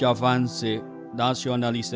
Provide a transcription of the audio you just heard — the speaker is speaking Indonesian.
ya akan sia sia nantinya